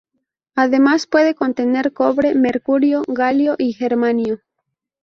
Además puede contener cobre, mercurio, galio y germanio.